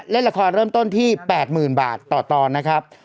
เล่นละครเริ่มต้นที่๘๐๐๐บาทต่อตอนนะครับ